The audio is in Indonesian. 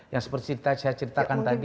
yang seperti saya ceritakan tadi